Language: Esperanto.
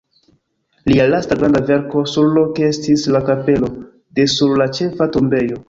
Lia lasta granda verko surloke estis la kapelo de sur la ĉefa tombejo.